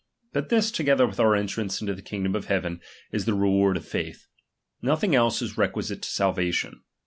But this, together with our entrance into the kingdom of heaven, is the reward oi faith ; nothing else is re quisite to salvation.